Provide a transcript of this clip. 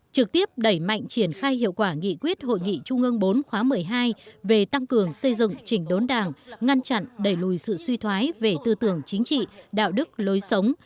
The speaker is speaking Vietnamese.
trực tiếp đẩy mạnh triển khai hiệu quả nghị quyết hội nghị trung ương bốn khóa một mươi hai về tăng cường xây dựng chỉnh đốn đảng ngăn chặn đẩy lùi sự suy thoái về tư tưởng chính trị đạo đức lối sống